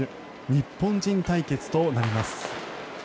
日本人対決となります。